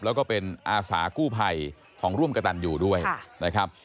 แล้วก็เป็นอาสากู้ภัยของร่วมกระตันอยู่ด้วยนะครับ